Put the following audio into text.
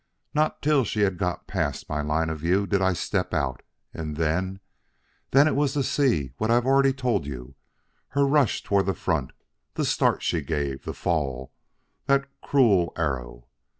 Not till she had got past my line of view did I step out, and then then it was to see what I have already told you her rush toward the front the start she gave the fall that cruel arrow!